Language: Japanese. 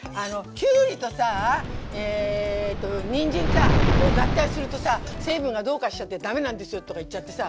きゅうりとさえとにんじんか！を合体するとさ成分がどうかしちゃって駄目なんですよとか言っちゃってさ。